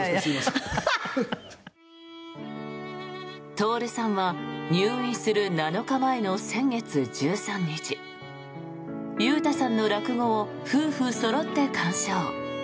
徹さんは入院する７日前の先月１３日裕太さんの落語を夫婦そろって鑑賞。